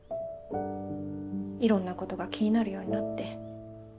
いろんなことが気になるようになって。